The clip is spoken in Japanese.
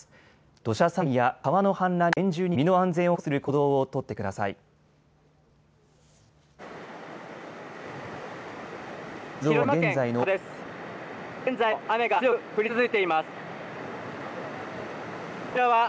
土砂災害や川の氾濫に厳重に警戒し身の安全を確保する行動を取ってください。